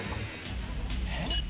・えっ？